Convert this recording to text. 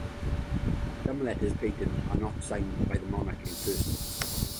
Some letters patent are not signed by the monarch in person.